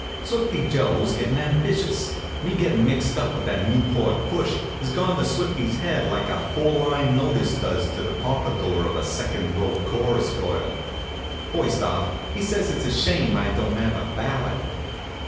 Swifty Joe's gettin' ambitious. Me gettin' mixed up with that Newport push has gone to Swifty's head like a four line notice does to the pompadour of a second row chorus girl. First off he says it's a shame I don't have a valet.